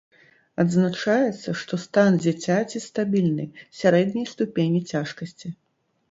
Адзначаецца, што стан дзіцяці стабільны, сярэдняй ступені цяжкасці.